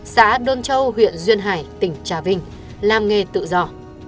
xã đôn châu huyện duyên hải tỉnh trà vinh làm nghề tự do